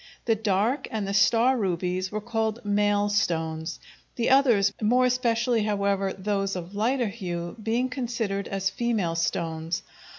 The dark and the star rubies were called "male" stones, the others, more especially, however, those of lighter hue, being considered as "female" stones.